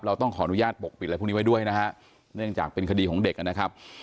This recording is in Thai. เราต้องขออนุญาตปกปิดอะไรพวกนี้ไว้ด้วยนะฮะเนื่องจากเป็นคดีของเด็กนะครับ